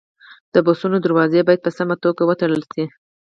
د بسونو دروازې باید په سمه توګه وتړل شي.